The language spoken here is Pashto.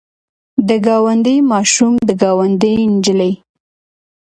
د ګاونډي ماشوم د ګاونډۍ نجلۍ.